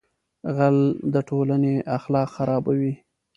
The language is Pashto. غل د ټولنې اخلاق خرابوي